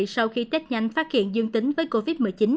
sau khi tết nhanh phát hiện dương tính với covid một mươi chín